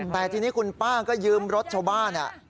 แต่ทีนี้คุณป้าก็ยืมรถชาวบ้าน